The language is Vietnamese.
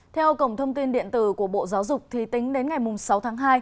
theo cổng thông tin điện tử của bộ giáo dục thì tính đến ngày sáu tháng hai